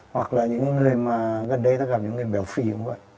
hoặc là những người mà gần đây ta gặp những người bèo phi cũng vậy